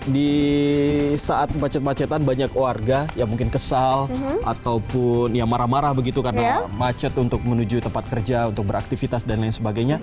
di saat macet macetan banyak warga yang mungkin kesal ataupun ya marah marah begitu karena macet untuk menuju tempat kerja untuk beraktivitas dan lain sebagainya